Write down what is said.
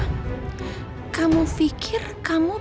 o' kateun siangramu sudah